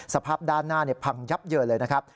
สภาพด้านหน้าพังยับเยินเลยนะครับ